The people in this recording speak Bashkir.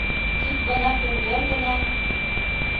Тик бына көндәр генә